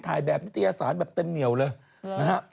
ถ่ายแบบนิตยสารแบบเต็มเหนียวเลยนะฮะ